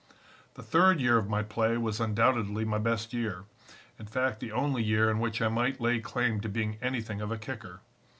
"The third year of my play was undoubtedly my best year; in fact the only year in which I might lay claim to being anything of a kicker.